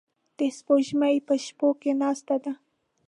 د سپوږمۍ په شپو کې ناسته ده